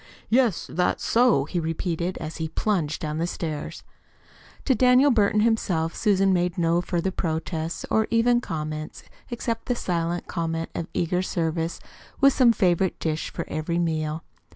"Yes, that's so," he repeated, as he plunged down the stairs. To Daniel Burton himself Susan made no further protests or even comments except the silent comment of eager service with some favorite dish for every meal.